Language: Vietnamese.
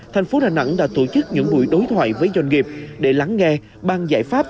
thành phố đà nẵng đã tổ chức những buổi đối thoại với doanh nghiệp để lắng nghe bang giải pháp